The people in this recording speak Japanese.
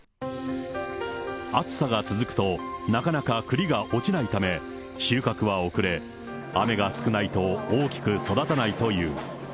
暑さが続くとなかなか栗が落ちないため、収穫は遅れ、雨が少ないと大きく育たないという。